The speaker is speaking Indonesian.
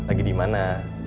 lagi di mana